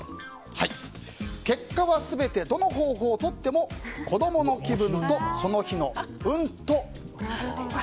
結果は全てどの方法をとっても子供の気分とその日の運だと。